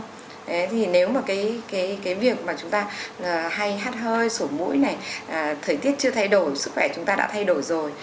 thế thì nếu mà cái việc mà chúng ta hay hát hơi sổ mũi này thời tiết chưa thay đổi sức khỏe chúng ta đã thay đổi rồi